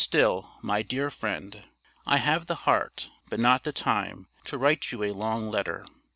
STILL, MY DEAR FRIEND: I have the heart, but not the time, to write you a long letter.